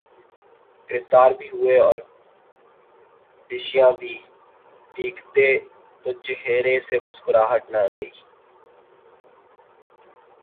گرفتار بھی ہوئے اورپیشیاں بھی بھگتیں تو چہرے سے مسکراہٹ نہ گئی۔